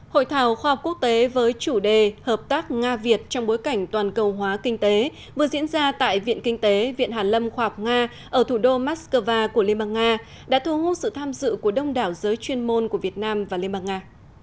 hội thảo khoa học quốc tế với chủ đề hợp tác nga việt trong bối cảnh toàn cầu hóa kinh tế vừa diễn ra tại viện kinh tế viện hàn lâm khoa học nga ở thủ đô moscow của liên bang nga đã thu hút sự tham dự của đông đảo giới chuyên môn của việt nam và liên bang nga